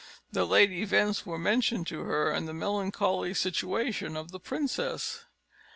The late events were mentioned to her, and the melancholy situation of the princess.